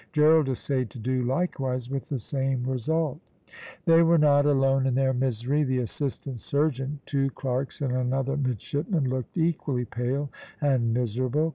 Gerald essayed to do likewise with the same result. They were not alone in their misery. The assistant surgeon, two clerks, and another midshipman looked equally pale and miserable.